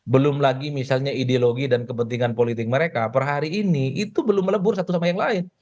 belum lagi misalnya ideologi dan kepentingan politik mereka per hari ini itu belum melebur satu sama yang lain